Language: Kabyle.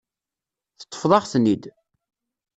Teṭṭfeḍ-aɣ-ten-id.